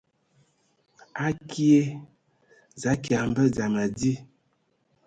Akie za kia mbə dzam adi.